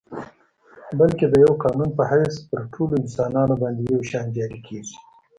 بلکه د یوه قانون په حیث پر ټولو انسانانو باندي یو شان جاري کیږي.